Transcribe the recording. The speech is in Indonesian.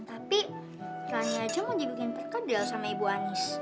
tapi rani aja mau dibikin perkedel sama ibu anies